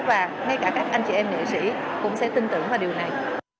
và ngay cả các anh chị em nghệ sĩ cũng sẽ tin tưởng vào điều này